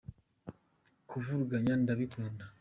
kuvuruganya ndabikunda.